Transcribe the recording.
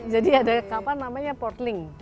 jadi ada kapal namanya portling